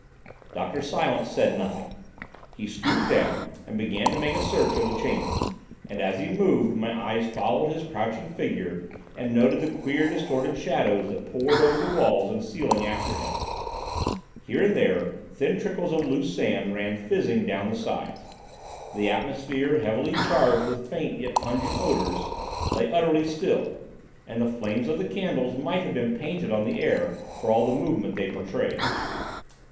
Dr. Silence said nothing. He stooped down and began to make a search of the chamber, and as he moved, my eyes followed his crouching figure and noted the queer distorted shadows that poured over the walls and ceiling after him. Here and there thin trickles of loose sand ran fizzing down the sides. The atmosphere, heavily charged with faint yet pungent odours, lay utterly still, and the flames of the candles might have been painted on the air for all the movement they betrayed.